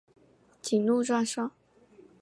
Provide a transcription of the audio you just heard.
谨录状上。